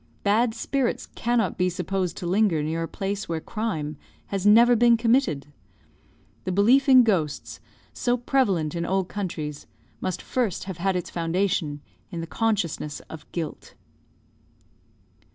Bad spirits cannot be supposed to linger near a place where crime has never been committed. The belief in ghosts, so prevalent in old countries, must first have had its foundation in the consciousness of guilt.